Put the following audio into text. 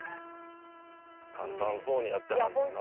「簡単そうにやってはんねんな」